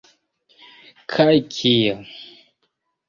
Kaj kia?